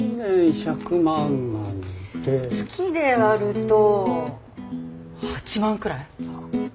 月で割ると８万くらい？